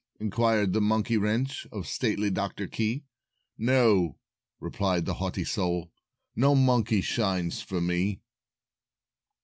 inquired the Monkey Wrench Of Stately Doctor Key; "No!" replied that haughty soul. "No Monkey shines for me."